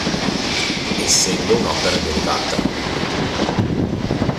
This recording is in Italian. Essendo un'opera derivata.